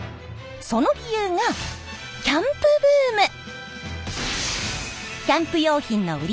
その理由がキャンプブーム。